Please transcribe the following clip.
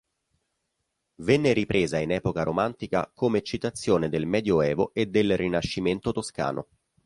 Venne ripresa in epoca romantica come citazione del medioevo e del rinascimento toscano.